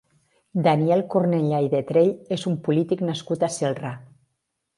Daniel Cornellà i Detrell és un polític nascut a Celrà.